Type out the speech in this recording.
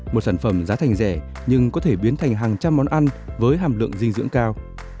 một sản phẩm giá thành rẻ nhưng có thể biến thành hàng trăm món ăn với hàm lượng dinh dưỡng cao